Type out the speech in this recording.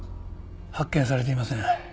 発見されていません。